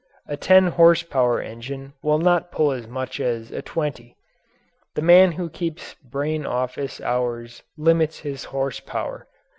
A ten horsepower engine will not pull as much as a twenty. The man who keeps brain office hours limits his horsepower.